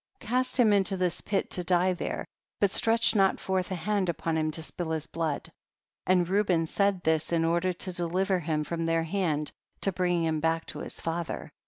Cast him into this pit to die there, but stretch not forth a hand upon him to spill his blood ; and Reuben said this, in order to deliver him from their hand, to bring him back to his father.